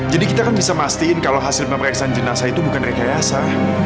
jadi kita kan bisa mastiin kalau hasil memperiksa jenazah itu bukan rekayasa